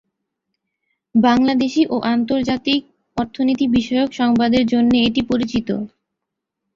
বাংলাদেশী ও আন্তর্জাতিক অর্থনীতি বিষয়ক সংবাদের জন্যে এটি পরিচিত।